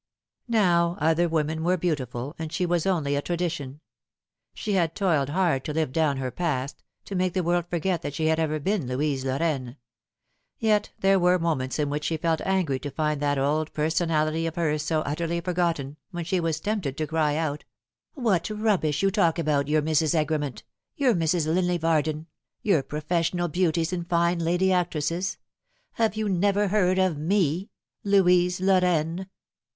Now other women were beautiful, and she was only a tradition. She had toiled hard to live down her past, to make the world forget that she had ever been Louise Lorraine : yet there were moments in which she felt angry to find that old personality of hers so utterly forgotten, when she was tempted to cry out, " What rubbish you talk about your Mrs. Egremont, your Mrs. 188 The Fatal Three. Linley Varden, your professional beauties and fine lady actresses. Have you never heard of ME Louise Lorraine